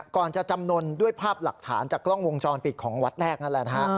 ก่อนจะจำนวนด้วยภาพหลักฐานจากกล้องวงจรปิดของวัดแรกนั่นแหละนะฮะ